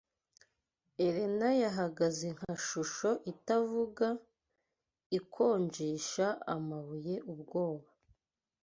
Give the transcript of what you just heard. Elena yahagaze Nka shusho itavuga, ikonjesha amabuye ubwoba